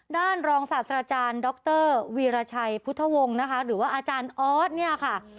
รองศาสตราจารย์ดรวีรชัยพุทธวงศ์นะคะหรือว่าอาจารย์ออสเนี่ยค่ะ